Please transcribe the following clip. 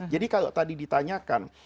jadi kalau tadi ditanyakan